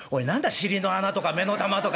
尻の穴とか目の玉とか」。